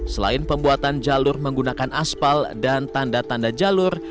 selain pembuatan jalur menggunakan aspal dan tanda tanda jalur